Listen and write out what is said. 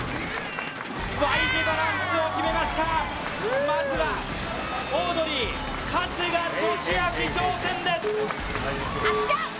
Ｙ字バランスを決めました、まずはオードリー・春日俊彰挑戦です。